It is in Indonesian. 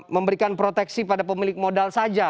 memberikan proteksi pada pemilik modal saja